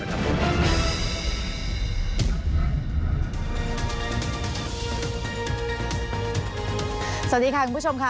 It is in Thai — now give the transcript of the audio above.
สวัสดีค่ะคุณผู้ชมค่ะ